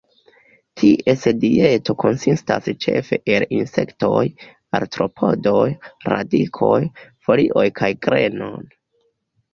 Ties dieto konsistas ĉefe el insektoj, artropodoj, radikoj, folioj kaj grenon.